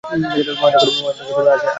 মহেন্দ্রকে আজ কে ঠেকাইতে পারে।